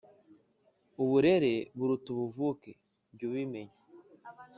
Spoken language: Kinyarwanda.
Uburere buruta ubuvuke jyu bimenya